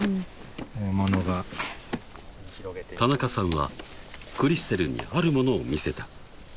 ［田中さんはクリステルにあるものを見せた］